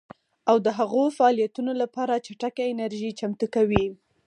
او د هغو فعالیتونو لپاره چټکه انرژي چمتو کوي